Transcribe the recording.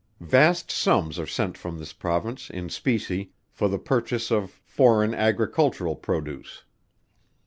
Vast sums are sent from this Province, in specie, for the purchase of foreign agricultural produce.